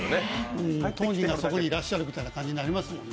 当人がそこにいらっしゃるみたいな感じになりますもんね。